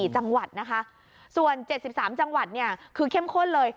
๔จังหวัดนะคะส่วน๗๓จังหวัดเนี่ยคือเข้มข้นเลย